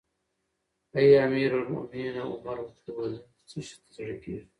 اې امیر المؤمنینه! عمر ورته وویل: نن دې څه شي ته زړه کیږي؟